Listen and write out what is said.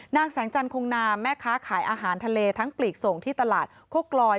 นางแสงจันทงนามแม่ค้าขายอาหารทะเลทั้งปลีกส่งที่ตลาดโคกลอย